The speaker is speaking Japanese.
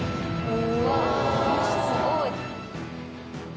うわっすごい。